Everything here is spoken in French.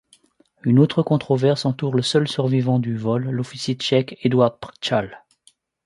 Une autre controverse entoure le seul survivant du vol, l’officier tchèque, Eduard Prchal.